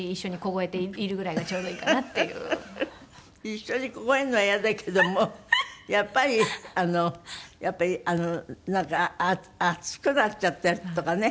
一緒に凍えるのは嫌だけどもやっぱりなんか暑くなっちゃったりとかね。